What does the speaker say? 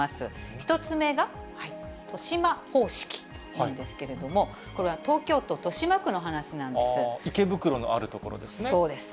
１つ目が、豊島方式というんですけれども、これは、東京都豊島区の話なんで池袋のある所ですね。